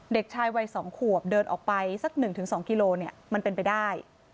เด็กชายวัย๒ขวบเดินออกไปสัก๑๒กิโลมันเป็นไปได้